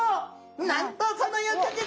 なんとその翌日。